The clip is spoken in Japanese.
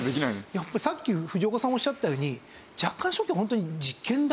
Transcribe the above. やっぱりさっき藤岡さんがおっしゃってたように若干初期はホントに実験台。